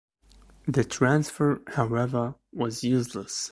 The transfer, however, was useless.